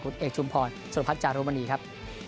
คุณเอกชุมพลสรุปัชราบรมณีครับ